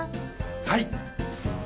はい。